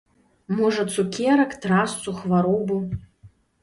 Можа, цукерак, трасцу, хваробу?